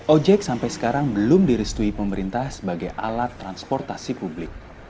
ojek sampai sekarang belum direstui pemerintah sebagai alat transportasi publik